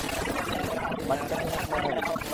বাচ্চাটি অনেক মেধাবী।